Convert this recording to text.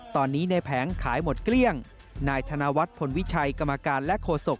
ตอนนี้ในแผงขายหมดเกลี้ยงนายธนวัฒน์พลวิชัยกรรมการและโฆษก